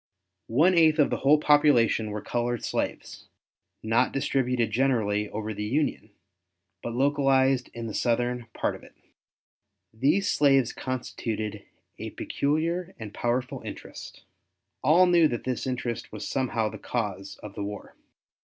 One eighth of the whole population were colored slaves, not distributed generally over the Union, but localized in the southern part of it. These slaves constituted a peculiar and powerful interest. All knew that this interest was somehow the cause of the war.